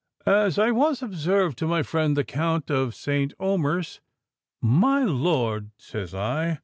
As I once observed to my friend the Count of St. Omers,—'My lord,' says I.